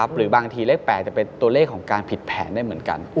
หรือบางทีเลข๘จะเป็นตัวเลขของการผิดแผนได้เหมือนกัน